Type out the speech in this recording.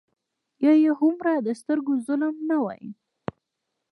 یا یې هومره د سترګو ظلم نه وای.